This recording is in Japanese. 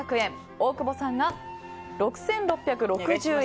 大久保さんが６６６０円。